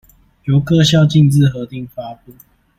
由各校逕自核定發布